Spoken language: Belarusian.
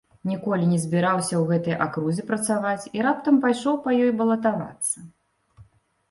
Ніколі не збіраўся ў гэтай акрузе працаваць і раптам пайшоў па ёй балатавацца.